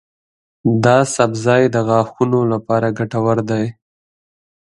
دا سبزی د غاښونو لپاره ګټور دی.